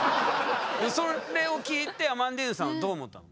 それを聞いてアマンディーヌさんはどう思ったの？